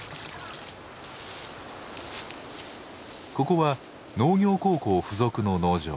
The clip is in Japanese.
ここは農業高校付属の農場。